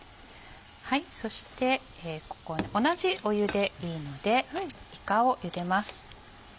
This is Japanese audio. そして同じ湯でいいのでいかをゆでます。